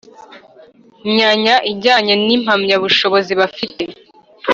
Myanya ijyanye n impamyabushobozi bafite